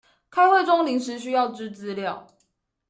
開會中臨時需要之資料